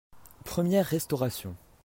Première restauration.